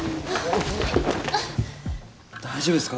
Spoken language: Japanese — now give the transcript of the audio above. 大丈夫ですか？